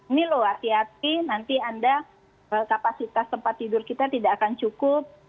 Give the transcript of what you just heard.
ini loh hati hati nanti anda kapasitas tempat tidur kita tidak akan cukup